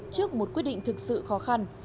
trước một quyết định thực sự khó khăn